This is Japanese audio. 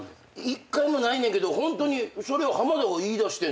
１回もないねんけどホントにそれを浜田が言いだしてんのよね。